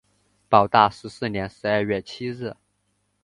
保大十四年十二月七日。